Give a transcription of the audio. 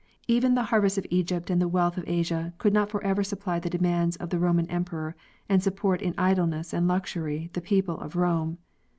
Even the harvests of Eeypt and the wealth of Asia could not forever supply the demands of the Roman emperor and support in idleness and luxury the people of Rome.